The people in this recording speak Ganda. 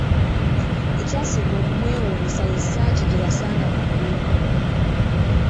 Ekyasinga okumwewuunyisa y'essaati gye yasanga mu dduuka.